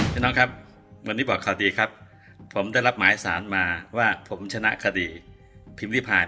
พี่น้องครับวันนี้บอกข่าวดีครับผมได้รับหมายสารมาว่าผมชนะคดีพิมพิพาย